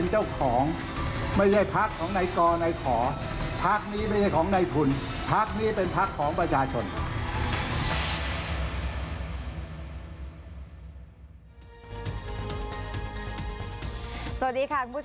จะบอกว่าที่สอจะไกลไหมครับ